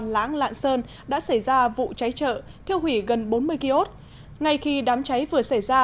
láng lạng sơn đã xảy ra vụ cháy chợ thiêu hủy gần bốn mươi kiosk ngay khi đám cháy vừa xảy ra